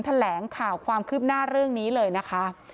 แถลงข่าวความคืบหน้าเรื่องนี้เลยนะคะ